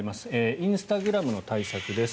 インスタグラムの対策です。